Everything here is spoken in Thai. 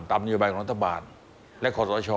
ตามนิวบาลกรณฑบาลและขอตรช